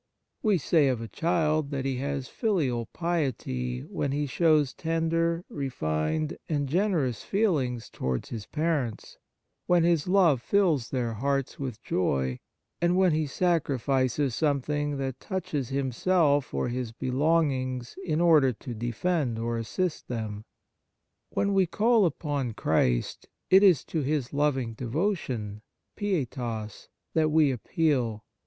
We say of a child that he has "filial piety" when he shows tender, refined and generous feelings towards his parents, when his love fills their hearts with joy, and when he sacri fices something that touches himself or his belongings in order to defend or assist them. When we call upon Christ, it is to His loving devotion (pietas) that we appeal.